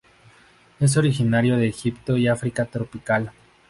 Es originario de Egipto y África tropical.